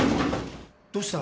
どうした？